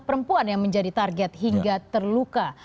perempuan yang menjadi target hingga terluka